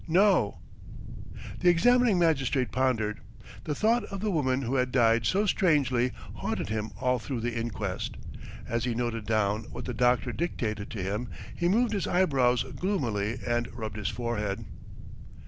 No!" The examining magistrate pondered. The thought of the woman who had died so strangely haunted him all through the inquest. As he noted down what the doctor dictated to him he moved his eyebrows gloomily and rubbed his forehead.